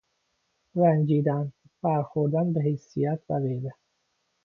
رنجیدن، برخوردن به حیثیت و غیره